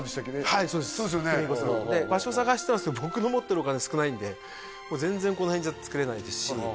はいそうですで場所探してたんですけど僕の持ってるお金少ないんで全然この辺じゃつくれないですし